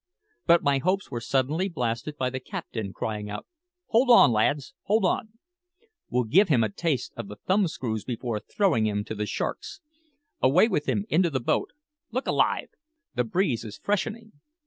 But my hopes were suddenly blasted by the captain crying out, "Hold on, lads, hold on! We'll give him a taste of the thumb screws before throwing him to the sharks. Away with him into the boat. Look alive! the breeze is freshening."